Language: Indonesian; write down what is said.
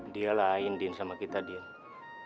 dia lain din sama kita dia